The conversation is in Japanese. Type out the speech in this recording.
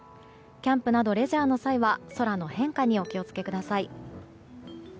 キャンプなどレジャーの際は空の変化にお気を付けください。